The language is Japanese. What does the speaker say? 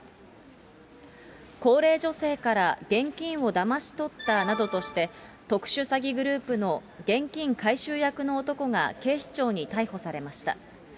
高齢女性から現金をだまし取ったなどとして、特殊詐欺グループの現金回収役の男が警視庁に逮捕されました。